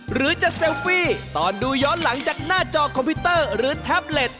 หรือจะเซลฟี่ตอนดูย้อนหลังจากหน้าจอคอมพิวเตอร์หรือแท็บเล็ต